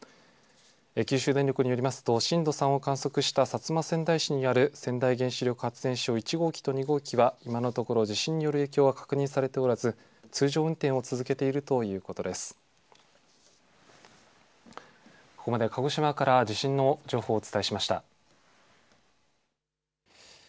九州電力によりますと、震度３を観測した薩摩川内市にある川内原子力発電所１号機と２号機は、今のところ、地震による影響は確認されておらず、通常運転を続けているということです。